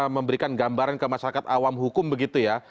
memberikan gambaran ke masyarakat awam hukum begitu ya